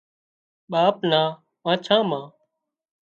ٻاپ نان آنڇان مان